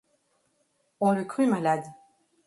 On le crut malade.